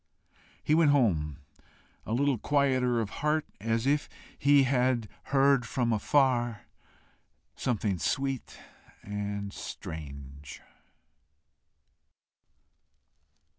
He went home a little quieter of heart, as if he had heard from afar something sweet and strange.